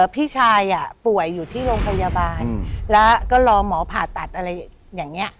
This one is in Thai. พี่ชายป่วยอยู่ที่โรงพยาบาลแล้วก็รอหมอผ่าตัดอะไรอย่างนี้